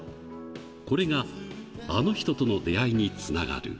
これがあの人との出会いにつながる。